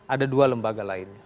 ada dua lembaga lain